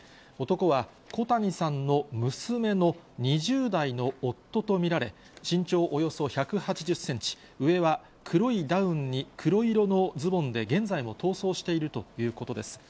男は、小谷さんの娘の２０代の夫と見られ、身長およそ１８０センチ、上は黒いダウンに黒色のズボンで、現在も逃走しているということです。